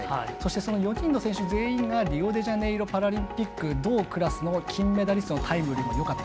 その４人の選手全員がリオデジャネイロパラリンピック同クラスの金メダリストのタイムよりもよかった。